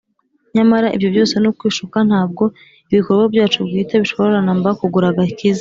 nyamara ibyo byose ni ukwishuka ntabwo ibikorwa byacu bwite bishobora na mba kugura agakiza